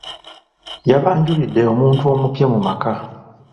Yabanjulidde omuntu omupya mu maka.